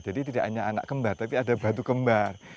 jadi tidak hanya anak kembar tapi ada batu kembar